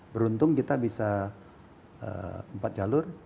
beruntung kita bisa empat jalur